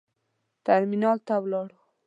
ترمینال ته ولاړو.